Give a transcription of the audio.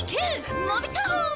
のび太号！